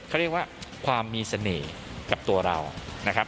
เขาเรียกว่าความมีเสน่ห์กับตัวเรานะครับ